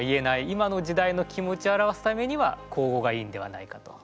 今の時代の気持ちを表すためには口語がいいんではないかと。